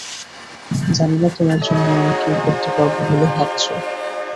জানি না তোমার জন্য আমি কী করতে পারবো বলে ভাবছো।